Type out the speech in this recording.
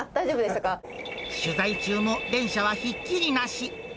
取材中も電車はひっきりなし。